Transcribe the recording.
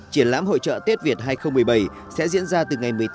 triển lãm hội trợ tết việt hai nghìn một mươi bảy sẽ diễn ra từ ngày một mươi tám